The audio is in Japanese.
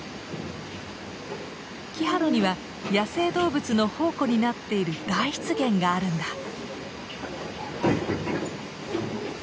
キハロには野生動物の宝庫になっている大湿原があるんだ。